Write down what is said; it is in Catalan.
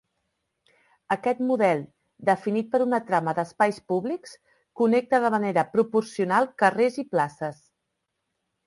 Aquest model, definit per una trama d'espais públics, connecta de manera proporcional carrers i places.